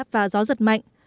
và gió giật mạnh